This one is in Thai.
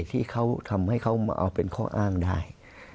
ที่เขาทำให้เขามาเอาเป็นข้ออ้างได้